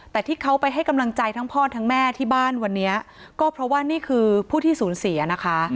แต่ที่เขาไปให้กำลังใจทั้งพ่อทั้งแม่ที่บ้านวันนี้ก็เพราะว่านี่คือผู้ที่สูญเสียนะคะ